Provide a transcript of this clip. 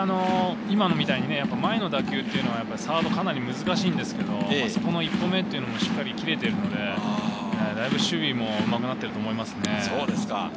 前の打球というのはサードはかなり難しいんですけれど、１本目もしっかり切れているのでだいぶ守備もうまくなっていると思いますね。